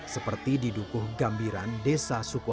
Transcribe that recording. seperti di dukuh gambiran desa suko